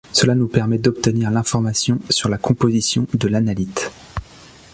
Cela nous permet d’obtenir l’information sur la composition de l’analyte.